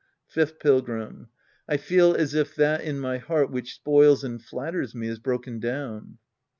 Fifth Pilgrim. I feel as if that in my heart which spoils and flatters me is broken down.